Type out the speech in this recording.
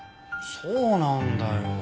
そうなんだよ。